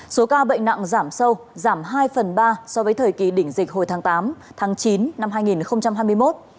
số ca bệnh nặng giảm sâu giảm hai phần ba so với thời kỳ đỉnh dịch hồi tháng tám tháng chín năm hai nghìn hai mươi một